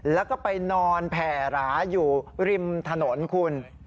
แล้วก็ไปนอนแผ่หราอยู่ริมถนนคุณ